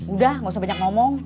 udah gak usah banyak ngomong